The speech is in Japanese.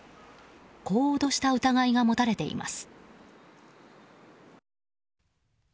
こう脅した疑いが持たれています。